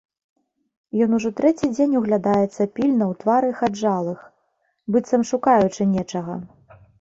Ён ужо трэці дзень углядаецца пільна ў твары хаджалых, быццам шукаючы нечага.